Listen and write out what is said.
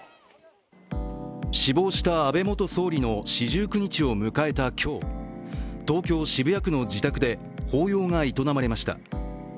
死亡した安倍元総理の四十九日を迎えた今日、東京・渋谷区の自宅で法要が営まれました。